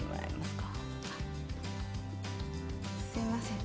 すいません。